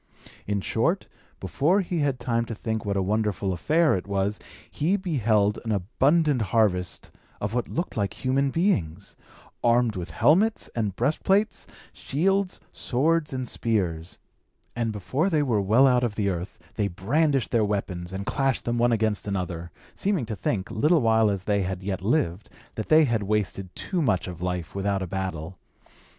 In short, before he had time to think what a wonderful affair it was, he beheld an abundant harvest of what looked like human beings, armed with helmets and breastplates, shields, swords and spears; and before they were well out of the earth, they brandished their weapons, and clashed them one against another, seeming to think, little while as they had yet lived, that they had wasted too much of life without a battle.